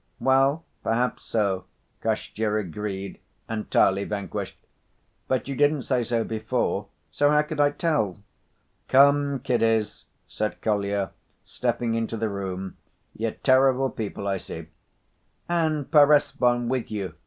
"Well, perhaps so," Kostya agreed, entirely vanquished. "But you didn't say so before. So how could I tell?" "Come, kiddies," said Kolya, stepping into the room. "You're terrible people, I see." "And Perezvon with you!"